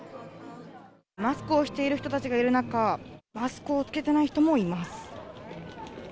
マスクをしている人たちがいる中、マスクを着けてない人もいます。